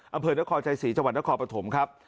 อำเภอนครชัยศรีจังหวัดนครปฐมครับ